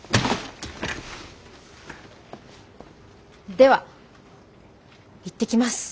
では行ってきます。